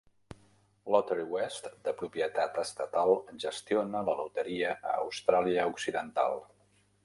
Lotterywest, de propietat estatal, gestiona la loteria a Austràlia Occidental.